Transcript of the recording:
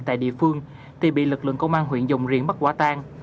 tại địa phương thì bị lực lượng công an huyện dòng riền bắt quả tan